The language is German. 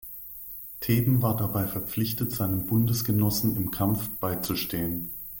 Theben war dabei verpflichtet, seinem Bundesgenossen im Kampf bei zu stehen.